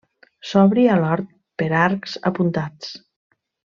S'obri a l'hort per arcs apuntats.